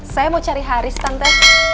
saya mau cari haris tante